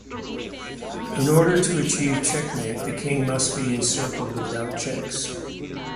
In order to achieve checkmate the king must be encircled without checks.